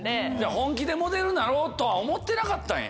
本気でモデルになろうとは思ってなかったんや？